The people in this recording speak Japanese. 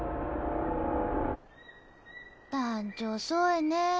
団長遅いねぇ。